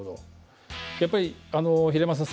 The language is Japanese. やっぱり、平山さん